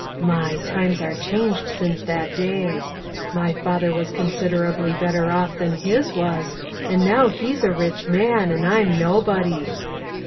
My! times are changed since that day. My father was considerably better off than his was, and now he's a rich man, and I'm nobody."